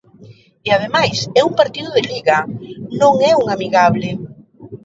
E ademais é un partido de Liga, non é un amigable.